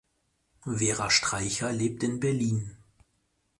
Vera Streicher lebt in Berlin.